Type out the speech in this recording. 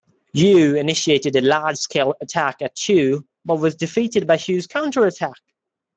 Yue initiated a large-scale attack at Chu but was defeated by Chu's counter-attack.